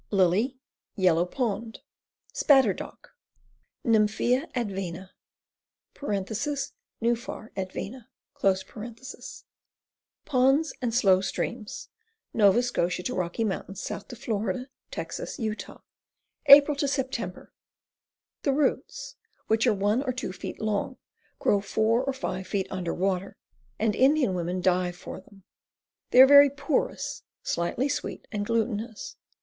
Lily, Yellow Pond. Spatter dock. NympfuBa advena (Nuphar ad.). Ponds and slow streams. Nova Scotia to Rocky Mts., south to Fla., Texas, Utah. Apr. Sep. The roots, which are one or two feet long, grow four or five feet under water, and Indian women dive for them. They are very porous, slightly sweet, and glutinous.